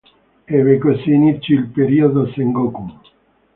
Ebbe così inizio il periodo Sengoku.